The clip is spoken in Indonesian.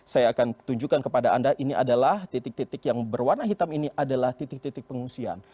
saya akan tunjukkan kepada anda ini adalah titik titik yang berwarna hitam ini adalah titik titik pengungsian